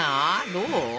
どう？